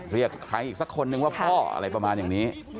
เรียกใครอีกสักคนนึงว่าพ่ออะไรประมาณอย่างนี้